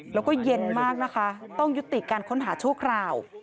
แล้วก็เย็นมากนะคะต้องยุติการค้นหาชั่วคราว